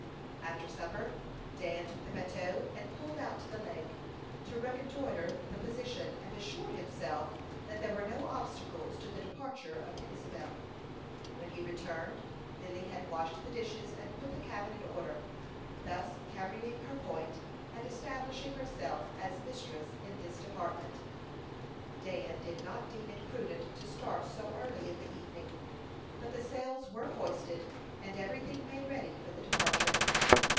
After supper Dan took the bateau, and pulled out to the lake, to reconnoitre the position, and assure himself that there were no obstacles to the departure of the Isabel. When he returned, Lily had washed the dishes and put the cabin in order, thus carrying her point, and establishing herself as mistress in this department. Dan did not deem it prudent to start so early in the evening; but the sails were hoisted, and every thing made ready for the departure.